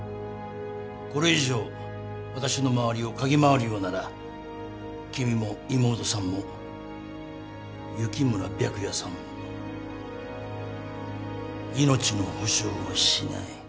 これ以上私の周りを嗅ぎ回るようなら君も妹さんも雪村白夜さんも命の保証をしない。